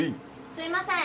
すみません！